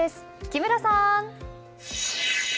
木村さん！